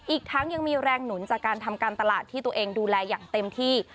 อีกทั้งยังมีแรงหนุนจากการทำการตลาดที่ตัวเองดูแลอย่างเต็มที่